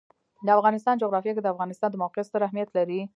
د افغانستان جغرافیه کې د افغانستان د موقعیت ستر اهمیت لري.